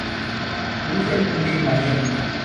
ஊசல் குண்டின் மையம்.